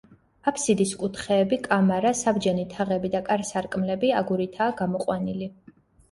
აბსიდის კუთხეები, კამარა, საბჯენი თაღები და კარ-სარკმლები აგურითაა გამოყვანილი.